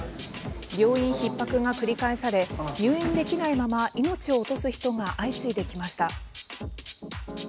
病院ひっ迫が繰り返され入院できないまま命を落とす人が相次いできました。